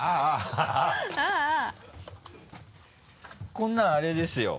こんなのあれですよ。